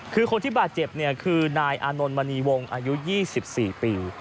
คือคนที่บาดเจ็บเนี่ยคือนายอานนท์มณีวงอายุ๒๔ปี